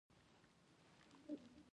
پر ګلانو باندې شبنم له ورایه معلومېده.